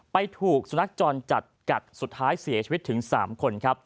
ถูกสุนัขจรจัดกัดสุดท้ายเสียชีวิตถึง๓คนครับ